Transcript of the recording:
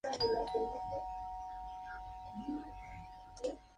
Jenkins, que más tarde niega su ayuda a la Sra.